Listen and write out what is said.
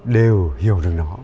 đều hiểu được nó